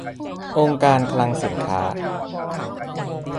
องค์การคลังสินค้า